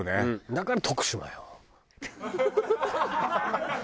だから徳島よ！